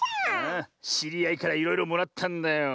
しりあいからいろいろもらったんだよ。